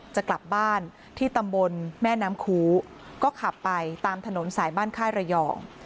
จะกลับบ้านที่ตำบลแม่น้ำคูก็ขับไปตามถนนสายบ้านค่ายระยอง